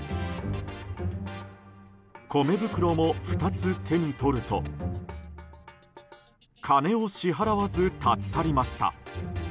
米袋も２つ手に取ると金を支払わず、立ち去りました。